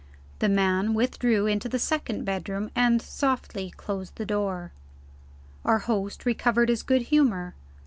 The man withdrew into the second bedroom, and softly closed the door. Our host recovered his good humor.